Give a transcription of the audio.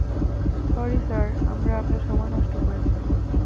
Sorry, sir আমরা আপনার সময় নষ্ট করেছি।